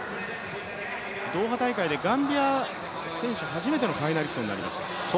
ドーハ大会でガンビアの選手、初めてのファイナリストとなりました。